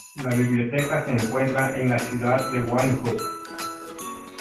La biblioteca se encuentra en la ciudad de Windhoek.